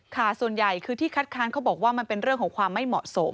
ค่ะส่วนใหญ่คือที่คัดค้านเขาบอกว่ามันเป็นเรื่องของความไม่เหมาะสม